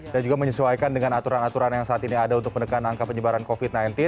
dan juga menyesuaikan dengan aturan aturan yang saat ini ada untuk menekan angka penyebaran covid sembilan belas